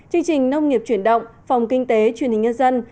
chương trình nông nghiệp chuyển động phòng kinh tế truyền hình nhân dân